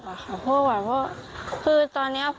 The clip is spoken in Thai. คุณพ่อสะกลบอกว่าลูกสาวเนี่ยหมดค่าทักษาไปกว่าสองนึงนะครับ